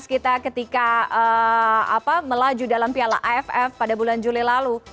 kita ketika melaju dalam piala aff pada bulan juli lalu